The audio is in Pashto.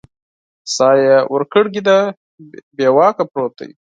ساه یې ورکړې ده بې واکه پروت دی